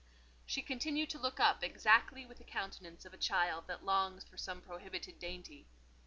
She continued to look up exactly with the countenance of a child that longs for some prohibited dainty.